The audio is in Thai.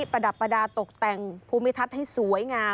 ประดับประดาษตกแต่งภูมิทัศน์ให้สวยงาม